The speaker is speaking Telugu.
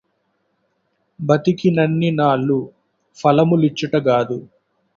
బ్రతికినన్నినాళ్ళు ఫలము లిచ్చుట గాదు